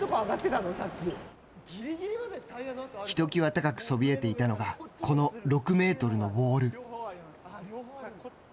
高くそびえていたのが、この６メートルのウォール。